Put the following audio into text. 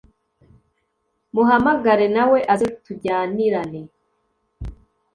muhamagare nawe aze tujyanirane